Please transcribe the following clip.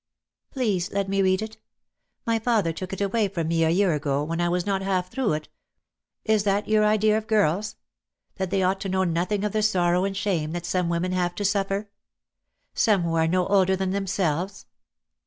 "Please let me read it. My father took it away from me a year ago, when I was not half through it, for fear I should learn things a girl ought not to know. Is that your idea of girls? That they ought to know nothing of the sorrow and shame that some women have to suffer. Some who are no older than themselves?"